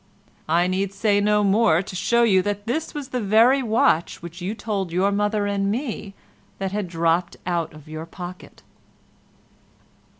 I need say no more to show that this was the very watch which you told your mother and me that you had dropped out of your pocket."